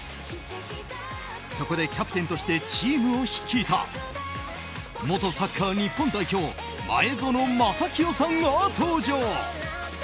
そこでキャプテンとしてチームを率いた元サッカー日本代表前園真聖さんが登場。